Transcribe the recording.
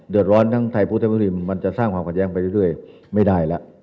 เดิดร้อนทั้งไทยภูติโภคริมมันจะสร้างความขันแย้งไปเรื่อยไม่ได้ละ